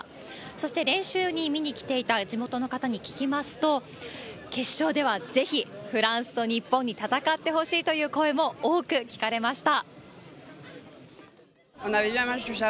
そして、練習に見に来ていた地元の方に聞きますと、決勝ではぜひフランスと日本に戦ってほしいという声も多く聞かれました。